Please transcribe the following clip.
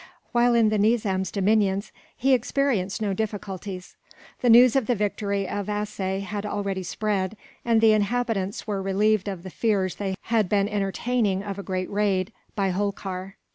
While in the Nizam's dominions, he experienced no difficulties; the news of the victory of Assaye had already spread, and the inhabitants were relieved of the fears they had been entertaining of a great raid, by Holkar.